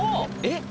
「えっ！？」